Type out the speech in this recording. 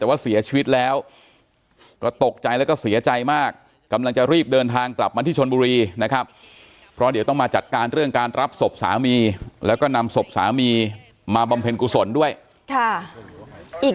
แต่ว่าเสียชีวิตแล้วก็ตกใจแล้วก็เสียใจมากกำลังจะรีบเดินทางกลับมาที่ชนบุรีนะครับเพราะเดี๋ยวต้องมาจัดการเรื่องการรับศพสามีแล้วก็นำศพสามีมาบำเพ็ญกุศลด้วยค่ะอีก